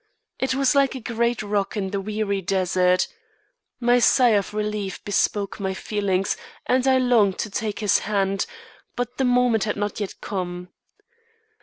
It was like a great rock in the weary desert. My sigh of relief bespoke my feelings and I longed to take his hand, but the moment had not yet come.